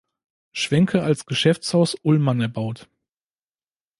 Schwenke als Geschäftshaus Ullmann erbaut.